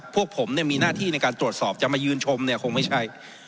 พวกผมมีหน้าที่ในการตรวจสอบจะมายืนชมเนี่ยคงไม่ใช่